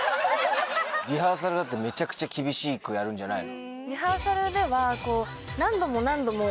リハーサルだってめちゃくちゃ厳しくやるんじゃないの？